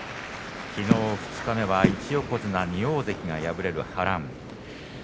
きのう二日目は１横綱２大関が敗れる波乱。